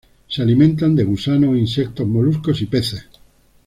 Se alimentan de gusanos, insectos moluscos y peces.